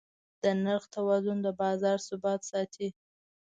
د نرخ توازن د بازار ثبات ساتي.